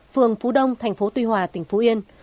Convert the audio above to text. phường phú đông thành phố tuy hòa tỉnh phú yên